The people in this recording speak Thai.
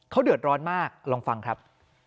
เขาเดือดร้อนมากลองฟังครับ